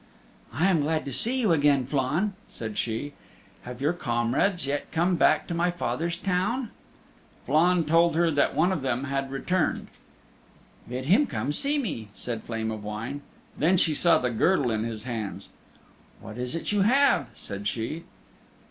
"I am glad to see you again, Flann," said she. "Have your comrades yet come back to my father's town?" Flann told her that one of them had returned. "Bid him come see me," said Flame of Wine. Then she saw the girdle in his hands. "What is it you have?" said she.